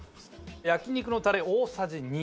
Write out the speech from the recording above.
焼肉のタレ大さじ２。